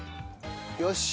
よし。